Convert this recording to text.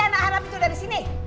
bawa anak haram itu dari sini